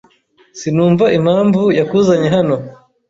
Sinumva impamvu yakuzanye hano.